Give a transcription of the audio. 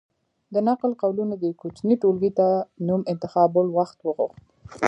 د نقل قولونو دې کوچنۍ ټولګې ته نوم انتخابول وخت وغوښت.